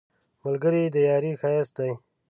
ملګری د یارۍ ښایست دی